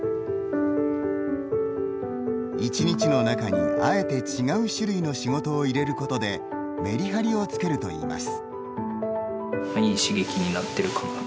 一日の中にあえて違う種類の仕事を入れることでメリハリをつけるといいます。